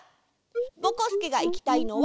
ぼこすけがいきたいのは